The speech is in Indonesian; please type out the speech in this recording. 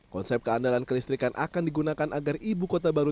konsep keandalan kelistrikan akan digunakan agar ibu kota baru